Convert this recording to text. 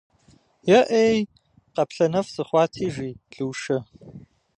Е-ӏей, къаплъэнэф сыхъуати!- жи Лушэ.